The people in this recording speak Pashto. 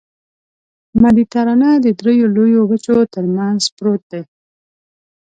مدیترانه د دریو لویو وچو ترمنځ پروت دی.